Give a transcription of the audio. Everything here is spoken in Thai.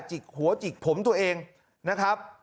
จิกหัวจิกผมตัวเองนะครับ